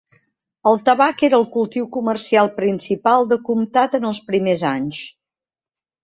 El tabac era el cultiu comercial principal del comtat en els primers anys.